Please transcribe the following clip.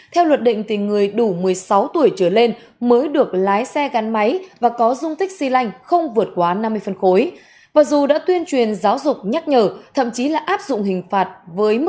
theo luật định thì người đủ mục đích để đi học không phải là chuyện hiếm